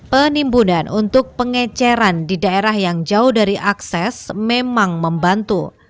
penimbunan untuk pengeceran di daerah yang jauh dari akses memang membantu